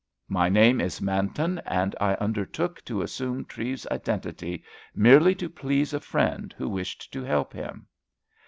My name is Manton, and I undertook to assume Treves's identity merely to please a friend who wished to help him."